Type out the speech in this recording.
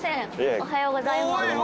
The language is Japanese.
おはようございます。